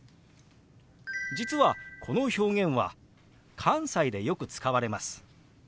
実はこの表現は関西でよく使われます。